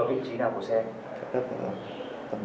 thế cháu đậu có vị trí nào của xe